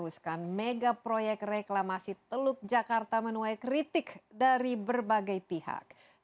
sampai jumpa di insight